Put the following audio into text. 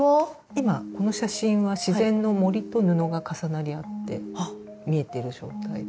今この写真は自然の森と布が重なり合って見えてる状態です。